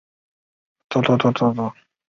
其父按浑察至顺元年薨。